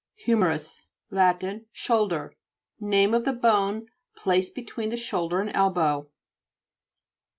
HI/MERITS Lat. Shoulder. Name of the bone placed between the shoulder and elbow.